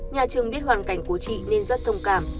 nhà trường biết hoàn cảnh của chị nên rất thông cảm